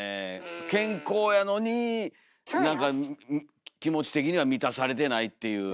健康なのに気持ち的には満たされてないっていう。